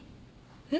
えっ？